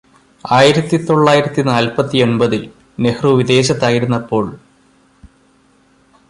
ആയിരത്തി തൊള്ളായിരത്തി നാല്പത്തിയൊമ്പതില് നെഹ്റു വിദേശത്തായിരുന്നപ്പോള്